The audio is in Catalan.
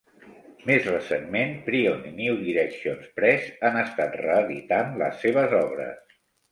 Més recentment, Prion i New Directions Press han estat reeditant les seves obres.